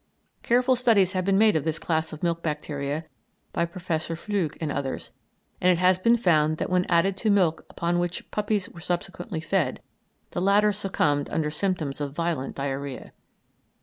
Careful studies have been made of this class of milk bacteria by Professor Flügge and others, and it has been found that when added to milk upon which puppies were subsequently fed the latter succumbed under symptoms of violent diarrhoea.